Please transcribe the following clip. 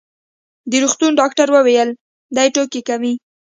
د روغتون ډاکټر وویل: دی ټوکې کوي.